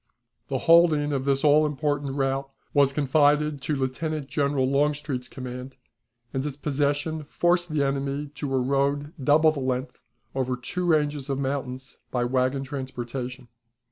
The holding of this all important route was confided to Lieutenant General Longstreet's command, and its possession forced the enemy to a road double the length, over two ranges of mountains, by wagon transportation.